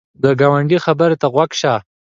د ګاونډي خبر ته غوږ شه